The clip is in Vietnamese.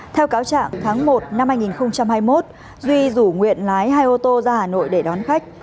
theo cáo trạng tháng một năm hai nghìn hai mươi một duy rủ nguyện lái hai ô tô ra hà nội để đón khách